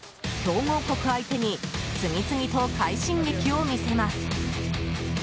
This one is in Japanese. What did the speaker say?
競合国相手に次々と快進撃を見せます。